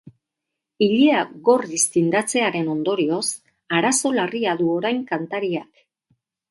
Ilea gorriz tindatzearen ondorioz arazo larria du orain kantariak.